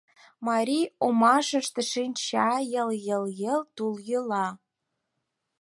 Марий омашыште шинча, йыл-йыл-йыл тул йӱла.